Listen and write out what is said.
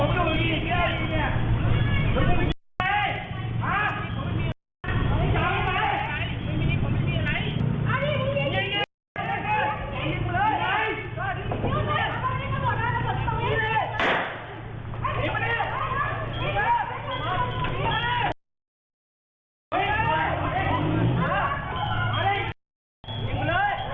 ดีเหรอ